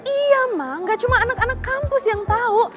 iya mam gak cuma anak anak kampus yang tau